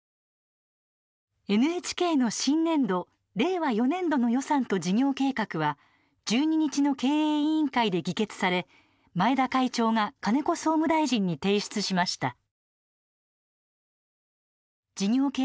ＮＨＫの新年度令和４年度の予算と事業計画は１２日の経営委員会で議決され前田会長が金子総務大臣に提出しました。